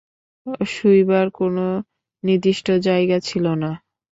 শুইবার কোনো নির্দিষ্ট জায়গা ছিল না।